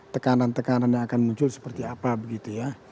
tekanan tekanan yang akan muncul seperti apa begitu ya